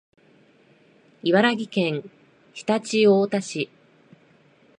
茨城県常陸太田市